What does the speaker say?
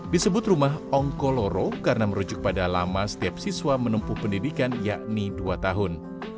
disebut rumah ongkoloro karena merujuk pada lama setiap siswa menempuh pendidikan yakni dua tahun